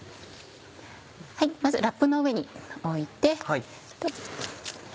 まずラップの上に置いて。